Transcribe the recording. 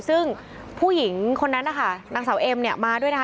ซึ่งผู้หญิงคนนั้นนะคะนางสาวเอ็มเนี่ยมาด้วยนะคะ